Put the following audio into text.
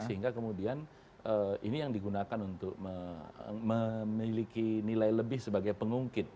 sehingga kemudian ini yang digunakan untuk memiliki nilai lebih sebagai pengungkit